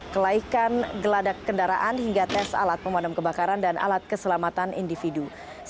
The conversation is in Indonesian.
kelaikan geladak kendaraan hingga tes alat pemadam kebakaran dan alat keselamatan individu